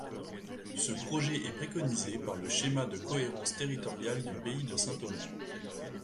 Ce projet est préconisé par le schéma de cohérence territoriale du Pays de Saint-Omer.